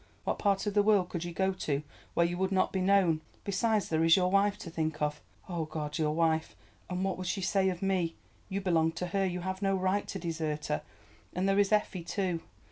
What part of the world could you go to where you would not be known? Besides there is your wife to think of. Ah, God, your wife—what would she say of me? You belong to her, you have no right to desert her. And there is Effie too.